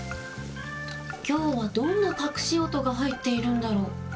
きょうはどんなかくし音がはいっているんだろう？